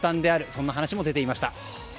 そんな話も出ていました。